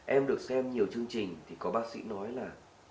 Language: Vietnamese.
em được xem nhiều chương trình thì có bác sĩ nói là